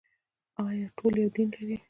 آیا ټول یو دین لري؟